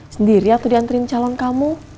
sendiri atau diantriin calon kamu